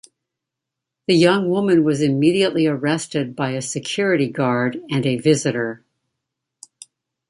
The young woman was immediately arrested by a security guard and a visitor.